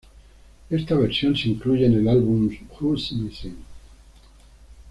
Esa versión se incluyó en el álbum "Who's Missing".